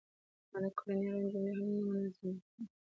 ما د کرنې اړوند جملې هم منظمې کړې.